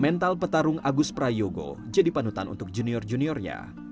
mental petarung agus prayogo jadi panutan untuk junior juniornya